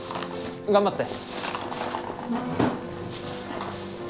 頑張って。